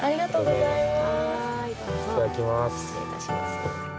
いただきます。